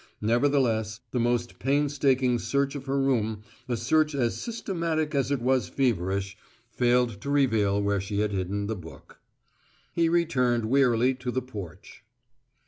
Nevertheless, the most painstaking search of her room, a search as systematic as it was feverish, failed to reveal where she had hidden the book. He returned wearily to the porch.